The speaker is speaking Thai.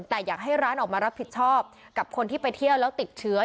แต่อยากให้ร้านออกมารับผิดชอบกับคนที่ไปเที่ยวแล้วติดเชื้อ